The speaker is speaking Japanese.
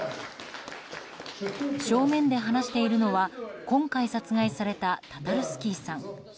正面で話しているのは今回、殺害されたタタルスキーさん。